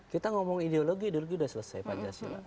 kita ngomong ideologi ideologi udah selesai pancasila